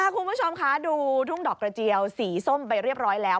คุณผู้ชมคะดูทุ่งดอกกระเจียวสีส้มไปเรียบร้อยแล้ว